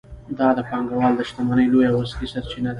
دا د پانګوال د شتمنۍ لویه او اصلي سرچینه ده